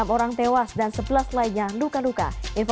enam orang tewas dan sebelas lainnya luka luka